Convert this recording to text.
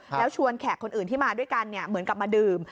แล้วชวนแขกคนอื่นที่มาด้วยกันเหมือนกลับมาดื่ม